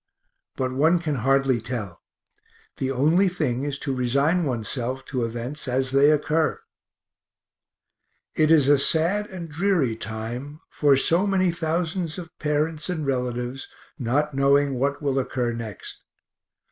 But one can hardly tell the only thing is to resign oneself to events as they occur; it is a sad and dreary time, for so many thousands of parents and relatives, not knowing what will occur next.